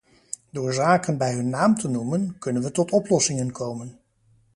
Door zaken bij hun naam te noemen, kunnen we tot oplossingen komen.